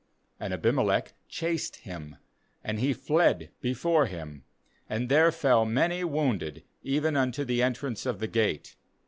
40 And Abimelech chased him, and he fled before him, and there fell many wounded, even unto the entrance of the gate.